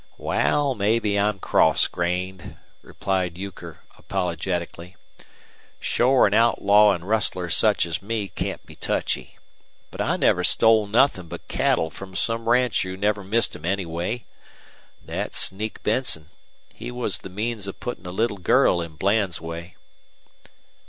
"Wal, mebbe I'm cross grained," replied Euchre, apologetically. "Shore an outlaw an' rustler such as me can't be touchy. But I never stole nothin' but cattle from some rancher who never missed 'em anyway. Thet sneak Benson he was the means of puttin' a little girl in Bland's way."